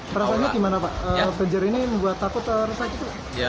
perasaannya gimana pak banjir ini membuat takut atau sakit